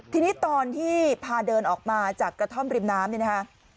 ทีนี้ตอนที่พาเดินออกมาจากกระท่อมริมน้ำเนี่ยนะคะ